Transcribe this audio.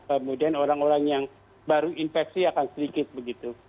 kemudian orang orang yang baru infeksi akan sedikit begitu